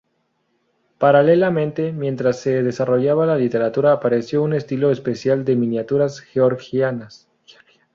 Paralelamente, mientras se desarrollaba la literatura, apareció un estilo especial de miniaturas georgianas.